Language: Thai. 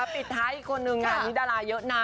ปิดท้ายอีกคนนึงงานนี้ดาราเยอะนะ